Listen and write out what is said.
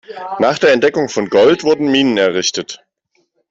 Nach der Entdeckung von Gold wurden Minen errichtet.